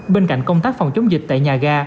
bên cạnh công tác phòng chống dịch tại nhà ga